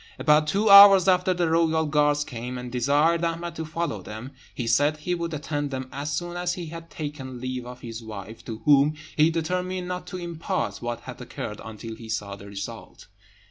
About two hours after the royal guards came, and desired Ahmed to follow them. He said he would attend them as soon as he had taken leave of his wife, to whom he determined not to impart what had occurred until he saw the result.